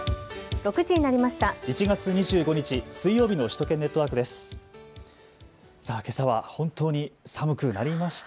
６時になりました。